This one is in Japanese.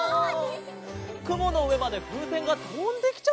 くものうえまでふうせんがとんできちゃったのかな？